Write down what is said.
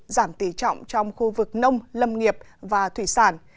giảm tỷ trọng trong khu vực nông lâm nghiệp và thủy sản